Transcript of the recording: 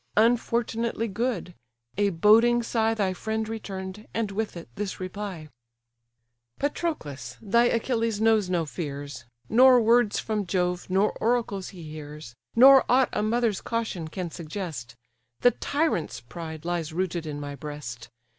Unfortunately good! a boding sigh Thy friend return'd; and with it, this reply: "Patroclus! thy Achilles knows no fears; Nor words from Jove nor oracles he hears; Nor aught a mother's caution can suggest; The tyrant's pride lies rooted in my breast.